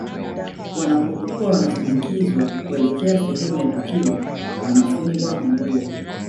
Wanapokuwa wanasindikizwa kuelekea sehemu ya tukio wanafungwa nguo